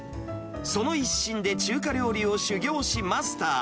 その一心で、中華料理を修業しマスター。